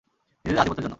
নিজেদের আধিপত্যের জন্য।